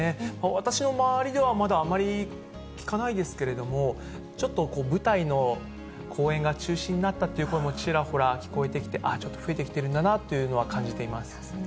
私の周りでは、まだあまり聞かないですけれども、ちょっと舞台の公演が中止になったという声もちらほら聞こえてきて、ああ、ちょっと増えてきてるんだなというのは感じています。